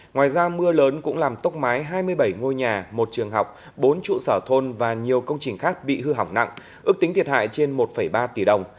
ngoài ra mưa lớn cũng làm tốc mái hai mươi bảy ngôi nhà một trường học bốn trụ sở thôn và nhiều công trình khác bị hư hỏng nặng ước tính thiệt hại trên một ba tỷ đồng